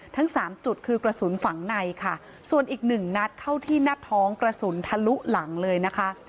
ทั้งสามจุดคือกระสุนฝังในค่ะส่วนอีกหนึ่งนัดเข้าที่หน้าท้องกระสุนทะลุหลังเลยนะคะ